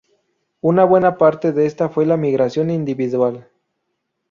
Una buena parte de esta fue migración individual.